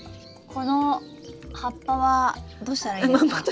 この葉っぱはどうしたらいいですか？